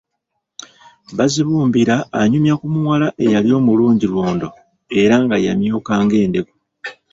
Bazibumbira anyumya ku muwala eyali omulungi lwondo era nga yamyuka ng'endeku.